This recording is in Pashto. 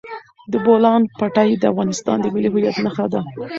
د بولان پټي د افغانستان د ملي هویت نښه ده.